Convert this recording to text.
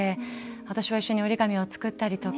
私は一緒に折り紙を作ったりとか。